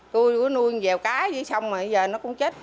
tôi có nuôi dèo cá dưới sông mà bây giờ nó cũng chết